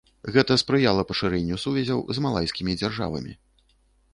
Гэта спрыяла пашырэнню сувязяў з малайскімі дзяржавамі.